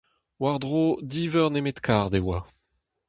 War-dro div eur nemet kard e oa.